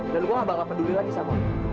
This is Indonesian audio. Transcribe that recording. dan gua nggak bakal peduli lagi sama orang